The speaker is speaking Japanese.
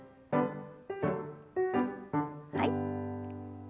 はい。